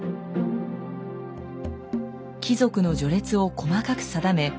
貴族の序列を細かく定め